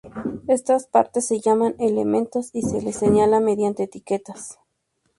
Estas partes se llaman "elementos", y se las señala mediante etiquetas.